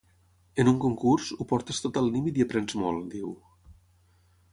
En un concurs, ho portes tot al límit i aprens molt, diu.